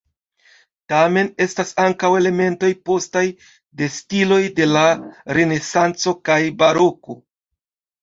Tamen estas ankaŭ elementoj postaj, de stiloj de la renesanco kaj baroko.